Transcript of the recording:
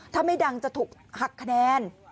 ถ้าไม่ดังจะถูกหักคะแนน